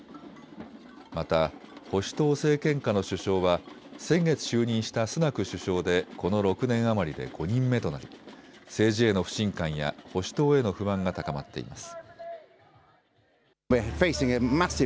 また保守党政権下の首相は先月就任したスナク首相でこの６年余りで５人目となり政治への不信感や保守党への不満が高まっています。